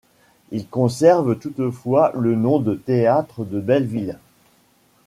Il conserve toutefois le nom de théâtre de Belleville.